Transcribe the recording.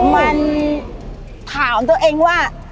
มันถามตัวเองว่า